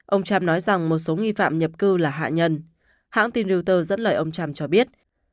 ông trump nói rằng một số nghi phạm nhập cư là hạ nhân hãng tin reuters lời ông trump cho biết